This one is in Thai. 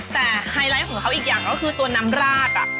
แต่ไฮไลท์ของเขาอีกอย่างก็คือตัวน้ำราด